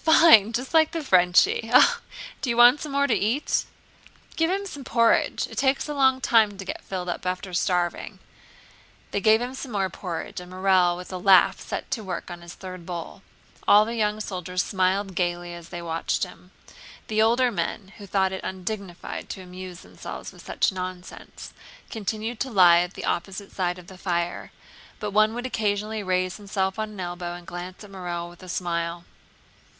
"Fine! Just like the Frenchie! Oh, ho ho! Do you want some more to eat?" "Give him some porridge: it takes a long time to get filled up after starving." They gave him some more porridge and Morel with a laugh set to work on his third bowl. All the young soldiers smiled gaily as they watched him. The older men, who thought it undignified to amuse themselves with such nonsense, continued to lie at the opposite side of the fire, but one would occasionally raise himself on an elbow and glance at Morel with a smile.